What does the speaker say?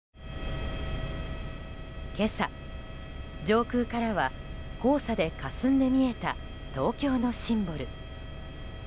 今朝、上空からは黄砂でかすんで見えた東京のシンボル。